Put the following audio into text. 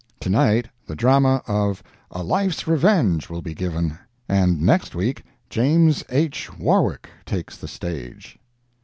Tonight, the drama of "A Life's Revenge" will be given; and next week James H. Warwick takes the stage.